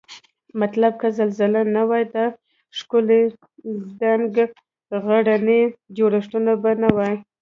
مطلب که زلزلې نه وای دا ښکلي دنګ غرني جوړښتونه به نوای